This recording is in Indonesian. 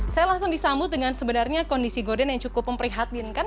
saya langsung disambut dengan sebenarnya kondisi gorden yang cukup memprihatinkan